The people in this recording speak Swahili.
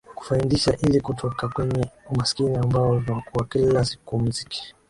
kufaindisha ili tukoke kwenye umaskini ambao tunakua kila siku muziki